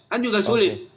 kan juga sulit